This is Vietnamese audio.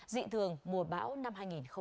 dị thường mùa bão năm hai nghìn một mươi bảy